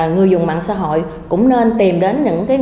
người dùng mạng xã hội cũng nên tìm đến những nguồn nguồn